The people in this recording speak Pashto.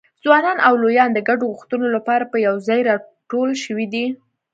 ځوانان او لویان د ګډو غوښتنو لپاره په یوځایي راټول شوي دي.